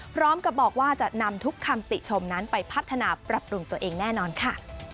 พร้อมกับบอกว่าจะนำทุกคำติชมนั้นไปพัฒนาปรับปรุงตัวเองแน่นอนค่ะ